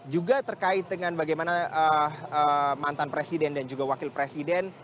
juga terkait dengan bagaimana mantan presiden dan juga wakil presiden